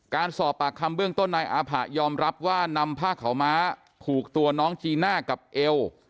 การสอบปากคำเบื้องต้นนายอาผะยอมรับว่านำผ้าขาวม้าผูกตัวน้องจีน่ากับเอว